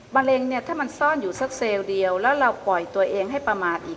เร็งเนี่ยถ้ามันซ่อนอยู่สักเซลล์เดียวแล้วเราปล่อยตัวเองให้ประมาทอีก